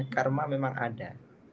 karma memang ada